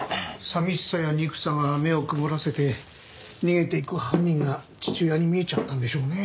寂しさや憎さが目を曇らせて逃げていく犯人が父親に見えちゃったんでしょうね。